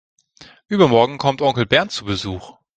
Übermorgen kommt Onkel Bernd zu Besuch.